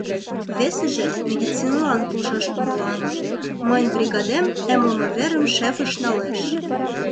Весыже — медицинылан полшаш кумылаҥын, мыйын бригадем эмлыме верым шефыш налеш!